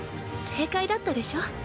正解だったでしょ？